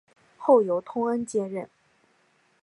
后由通恩接任。